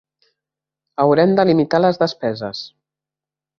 Haurem de limitar les despeses.